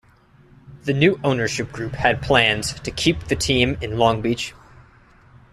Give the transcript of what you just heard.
The new ownership group had plans to keep the team in Long Beach.